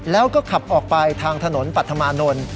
แล้วก็ขับออกไปทางถนนปัธมานนท์